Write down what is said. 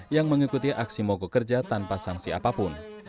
yang mengikuti aksi mogok kerja tanpa sanksi apapun